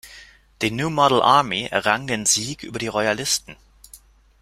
Die New Model Army errang den Sieg über die Royalisten.